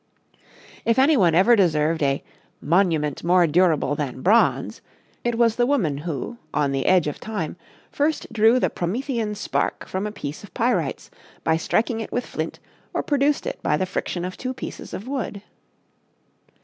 If any one ever deserved a "monument more durable than bronze," it was the woman who, "on the edge of time," first drew the Promethean spark from a piece of pyrites by striking it with flint or produced it by the friction of two pieces of wood.